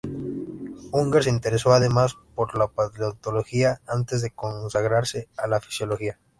Unger se interesó además por la paleontología antes de consagrarse a la fisiología.